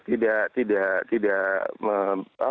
tidak mencari kesempatan